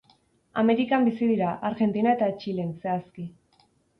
Amerikan bizi dira, Argentina eta Txilen, zehazki.